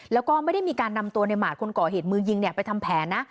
แล้วก็ไม่ได้มีการนำตัวในหมาดคนก่อเหตุมือยิงไปทำแผนนะ